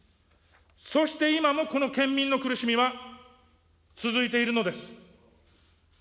そして今もこの県民の苦しみは、続いているのです。